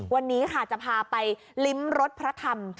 วันนี้ค่ะจะพาไปลิ้มรถพระธรรม